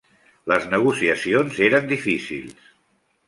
Les negociacions eren difícils.